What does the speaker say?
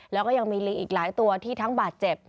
แล้วก็ยังมีลิงอีกหลายตัวที่ทั้งบาดเจ็บ